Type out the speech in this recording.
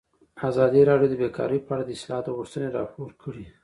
ازادي راډیو د بیکاري په اړه د اصلاحاتو غوښتنې راپور کړې.